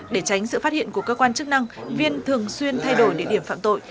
để tránh sự phát hiện của cơ quan chức năng viên thường xuyên thay đổi địa điểm phạm tội